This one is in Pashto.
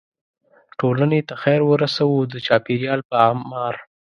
ټولنې ته خیر ورسوو او د چاپیریال په اعمار.